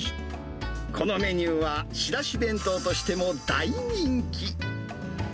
このメニューは仕出し弁当としても大人気。